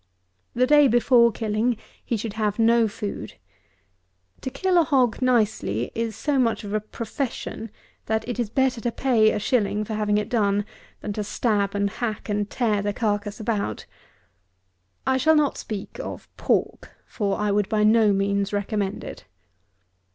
The day before killing he should have no food. To kill a hog nicely is so much of a profession, that it is better to pay a shilling for having it done, than to stab and hack and tear the carcass about. I shall not speak of pork; for I would by no means recommend it.